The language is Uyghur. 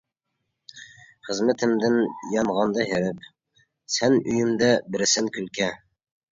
خىزمىتىمدىن يانغاندا ھېرىپ، سەن ئۆيۈمدە بېرىسەن كۈلكە.